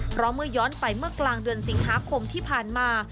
เพราะเมื่อย้อนไปเมื่อกลางเดือนสิงหาคมที่ผ่านมา